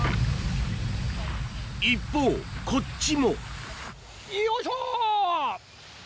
一方こっちもよいしょ！